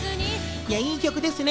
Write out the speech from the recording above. いや、いい曲ですね。